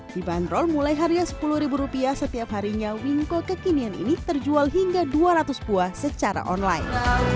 di bandrol mulai harga sepuluh rupiah setiap harinya winko kekinian ini terjual hingga dua ratus buah secara online